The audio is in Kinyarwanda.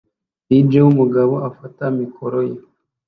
DJ wumugabo afata mikoro ye